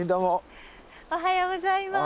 おはようございます。